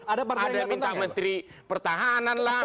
ada yang minta menteri pertahanan lah